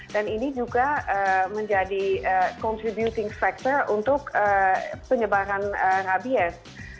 dan ini juga menjadi contributing factor untuk penyebaran rabies